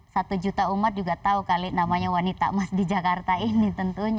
satu juta umat juga tahu kali namanya wanita emas di jakarta ini tentunya